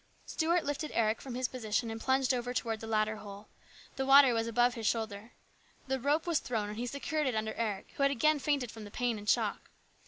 Stuart lifted Eric from his position and plunged over towards the ladder hole. The water was above his shoulders. A rope was thrown and he secured it under Eric, who had again fainted from the pain and shock.